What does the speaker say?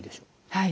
はい。